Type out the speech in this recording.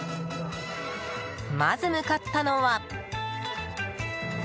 まず向かったのは。